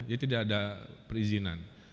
jadi tidak ada perizinan